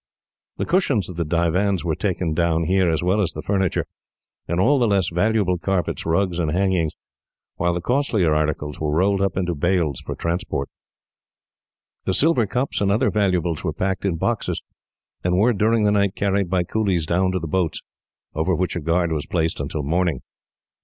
The cushions of the divans were taken down here, as well as the furniture, and all the less valuable carpets, rugs and hangings, while the costlier articles were rolled up into bales, for transport. The silver cups and other valuables were packed in boxes, and were, during the night, carried by coolies down to the boats, over which a guard was placed until morning.